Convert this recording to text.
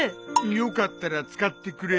よかったら使ってくれよ。